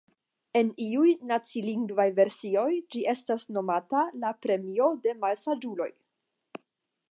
En iuj nacilingvaj versioj ĝi estas nomata la "Premio de malsaĝuloj".